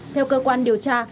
theo cơ quan điều tra